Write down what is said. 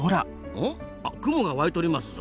うん？あっ雲が湧いとりますぞ。